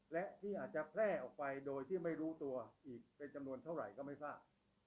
และที่อาจจะแพร่ออกไปโดยที่ไม่รู้ตัวอีกเป็นจำนวนเท่าไหร่ก็ไม่ทราบ